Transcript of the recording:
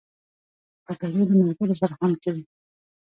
پکورې له ملګرو سره خوند کوي